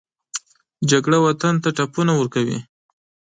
جګړه وطن ته ټپونه ورکوي